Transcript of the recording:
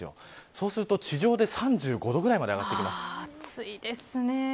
そうすると地上で３５度くらいまで暑いですね。